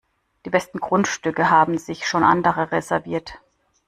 Die besten Grundstücke haben sich schon andere reserviert.